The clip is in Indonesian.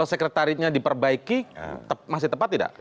kalau sekretarinya diperbaiki masih tepat tidak